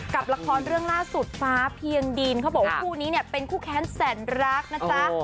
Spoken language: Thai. กับละครเรื่องล่าสุดฟ้าเพียงดินเขาบอกว่าคู่นี้เนี่ยเป็นคู่แค้นแสนรักนะจ๊ะ